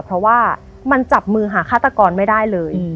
เพราะว่ามันจับมือหาฆาตกรไม่ได้เลย